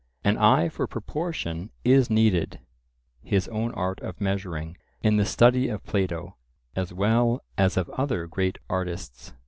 An eye for proportion is needed (his own art of measuring) in the study of Plato, as well as of other great artists.